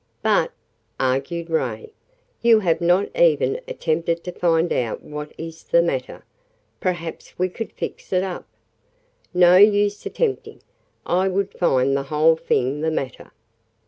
"But," argued Ray, "you have not even attempted to find out what is the matter. Perhaps we could fix it up " "No use attempting. I would find the whole thing the matter.